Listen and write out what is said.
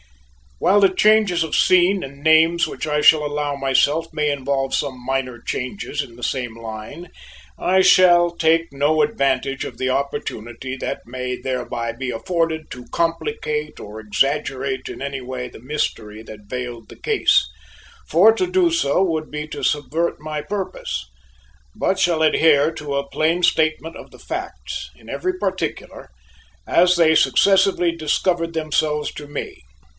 While the changes of scene and names which I shall allow myself may involve some minor changes in the same line, I shall take no advantage of the opportunity that may thereby be afforded to complicate or exaggerate in any way the mystery that veiled the case, for to do so would be to subvert my purpose; but shall adhere to a plain statement of the facts, in every particular, as they successively discovered themselves to me.